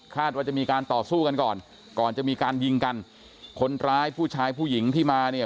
ว่าจะมีการต่อสู้กันก่อนก่อนจะมีการยิงกันคนร้ายผู้ชายผู้หญิงที่มาเนี่ย